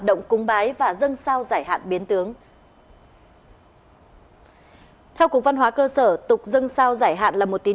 dịch bái và dân sao giải hạn biến tướng theo cục văn hóa cơ sở tục dân sao giải hạn là một tín